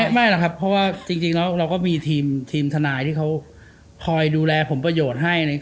ไม่หรอกครับเราก็มีทีมทนายที่เขาคอยดูแลผมประโยชน์ให้